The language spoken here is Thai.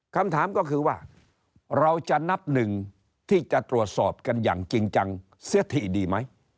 คำถามก็คือว่าเราจะนับหนึ่งที่จะตรวจสอบกันอย่างจริงจังเสียทีดีไหม